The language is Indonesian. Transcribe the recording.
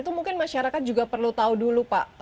itu mungkin masyarakat juga perlu tahu dulu pak